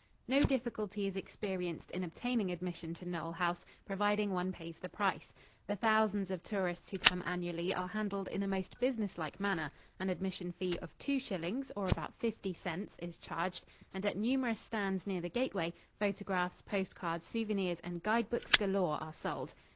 No difficulty is experienced in obtaining admission to Knole House, providing one pays the price. The thousands of tourists who come annually are handled in a most businesslike manner. An admission fee of two shillings, or about fifty cents, is charged, and at numerous stands near the gateway photographs, post cards, souvenirs and guide books galore are sold.